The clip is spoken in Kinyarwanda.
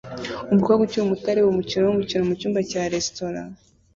Umukobwa ukiri muto areba umukino wumukino mu cyumba cya resitora